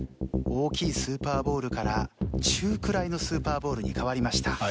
大きいスーパーボールから中くらいのスーパーボールに変わりました。